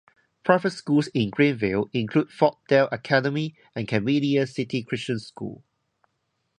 Private schools in Greenville include Fort Dale Academy and Camellia City Christian School.